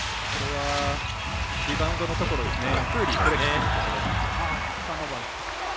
リバウンドのところですね。